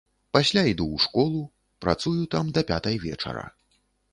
Пасля іду ў школу, працую там да пятай вечара.